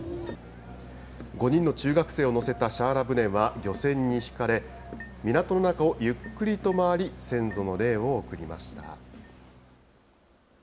５人の中学生を乗せたシャーラ船は漁船に引かれ、港の中をゆっくりと回り、先祖の霊を送りました。